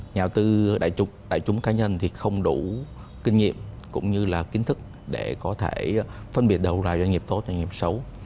nhà tư đại chúng cá nhân thì không đủ kinh nghiệm cũng như là kiến thức để có thể phân biệt đầu ra doanh nghiệp tốt doanh nghiệp xấu